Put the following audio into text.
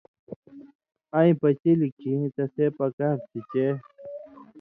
اَیں پچِلیۡ کھیں تسے پکار تھی چے